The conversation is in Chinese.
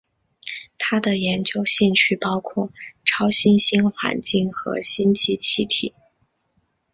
他的研究兴趣包括超新星环境和星际气体。